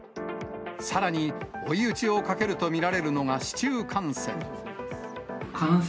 さらに、追い打ちをかけると見られるのが市中感染。